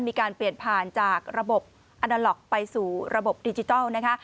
มีการเปลี่ยนผ่านจากระบบอนาล็อกไปสู่ระบบดิจิทัลนะคะ